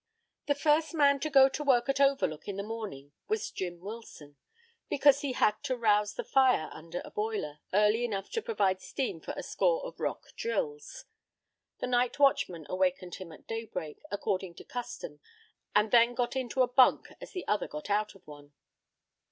The first man to go to work at Overlook in the morning was Jim Wilson, because he had to rouse the fire under a boiler early enough to provide steam for a score of rock drills. The night watchman awakened him at daybreak, according to custom, and then got into a bunk as the other got out of one.